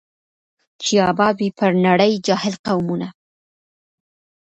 چي آباد وي پر نړۍ جاهل قومونه